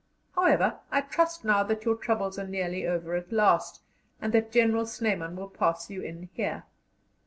"However, I trust now that your troubles are nearly over at last, and that General Snyman will pass you in here.